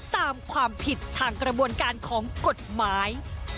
ตามความผิดทางกระบวนการของกฎหมาย